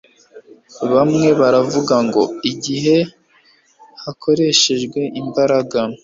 Bamwe baravuga ngo igihe hakoreshejwe imbaraga